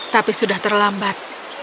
tapi sudah terlambat